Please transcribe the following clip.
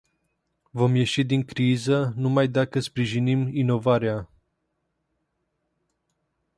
Vom ieși din criză numai dacă sprijinim inovarea.